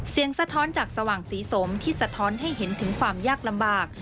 สะท้อนจากสว่างสีสมที่สะท้อนให้เห็นถึงความยากลำบาก